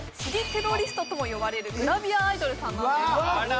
テロリストとも呼ばれるグラビアアイドルさんなんですあら！